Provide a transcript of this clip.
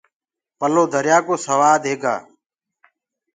پَلو دريآ ڪو سوآد هيگآ